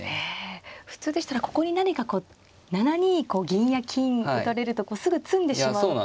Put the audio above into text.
普通でしたらここに何かこう７二こう銀や金打たれるとすぐ詰んでしまう形。